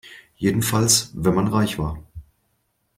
Jedenfalls wenn man reich war.